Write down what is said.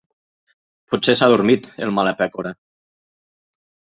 -Potser s'ha adormit, el mala pècora…